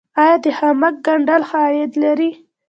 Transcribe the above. آیا د خامک ګنډل ښه عاید لري؟